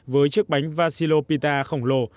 với chiếc bánh vassilopita khổng lồ